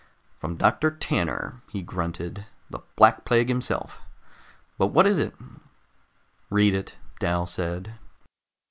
"From Doctor Tanner," he grunted. "The Black Plague himself. But what is it?" "Read it," Dal said.